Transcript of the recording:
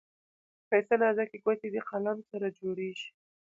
ښايسته نازكي ګوتې دې قلم سره جوړیږي.